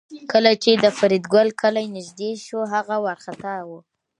کله چې د فریدګل کلی نږدې شو هغه وارخطا و